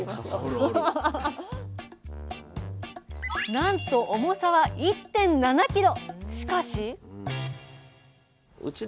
なんと重さは１．７ｋｇ。